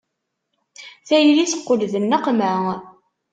Tayri teqqel d nneqma.